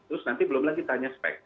terus nanti belum lagi tanya spek